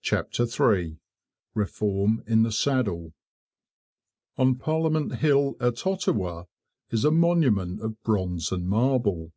CHAPTER III REFORM IN THE SADDLE On Parliament Hill at Ottawa is a monument of bronze and marble.